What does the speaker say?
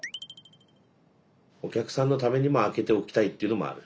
お客さんのためにも開けておきたいっていうのもある？